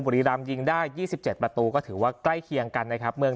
บุรีรามยิงได้ยี่สิบเจ็ดประตูก็ถือว่าใกล้เคียงกันนะครับ